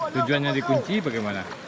tujuannya dikunci bagaimana